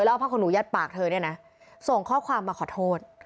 แล้วเอาผ้าขนหนูยัดปากเธอเนี่ยนะส่งข้อความมาขอโทษ